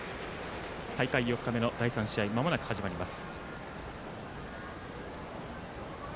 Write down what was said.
大会４日目の第３試合まもなく始まります。